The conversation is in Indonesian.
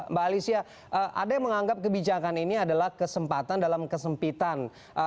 mbak alicia ada yang menganggap kebijakan ini adalah kesempatan dalam kesempitan